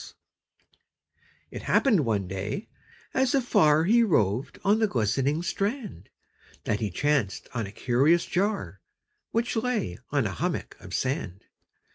It happened one day, as afar He roved on the glistening strand, That he chanced on a curious jar, Which lay on a hummock of sand.